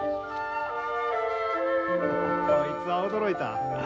こいつは驚いた。